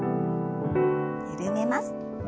緩めます。